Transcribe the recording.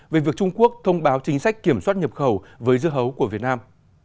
về việc trung quốc thông báo chính sách kiểm soát nhập khẩu với dưa hấu của việt nam